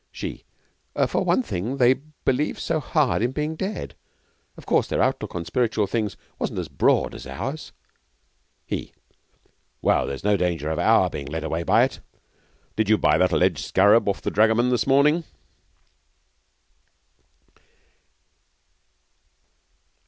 She. For one thing, they believe so hard in being dead. Of course, their outlook on spiritual things wasn't as broad as ours. He. Well, there's no danger of our being led away by it. Did you buy that alleged scarab off the dragoman this morning?